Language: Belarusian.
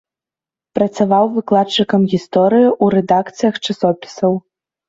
Працаваў выкладчыкам гісторыі, у рэдакцыях часопісаў.